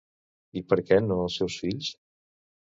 I per què no als seus fills?